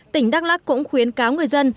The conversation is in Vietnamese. tỉnh đắk lắc cũng khuyến cáo người dân